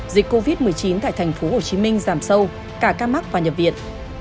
dịch covid một mươi chín tại thành phố hồ chí minh giảm sâu cả ca mắc và nhập viện